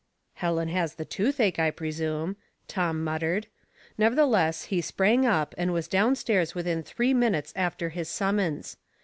" Helen has the toothache, I presume," Tom muttered ; nevertheless, he sprang up, and was down stairs within three minutes after his suit mons.